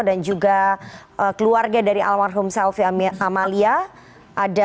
dan juga keluarga dari almarhum selfie selfie yang terjadi di rumahnya ini terima kasih banyak